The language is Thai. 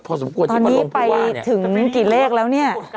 ทีนี้ไปถึงกี่เลขแล้วเนี่ย